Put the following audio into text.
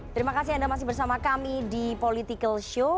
terima kasih anda masih bersama kami di political show